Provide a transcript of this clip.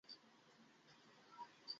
তিনি বললেন, হ্যাঁ, আপনিই।